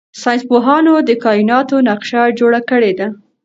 ساینس پوهانو د کائناتو نقشه جوړه کړې ده.